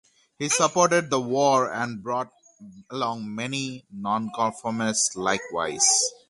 He supported the war, and brought along many nonconformists likewise.